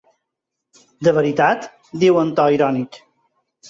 De veritat?, diu amb to irònic.